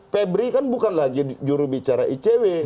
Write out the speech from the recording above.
pebri kan bukan lagi juru bicara icw